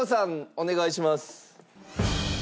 お願いします。